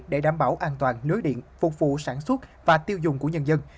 để đảm bảo an toàn lưới điện phục vụ sản xuất và tiêu dùng của nhân dân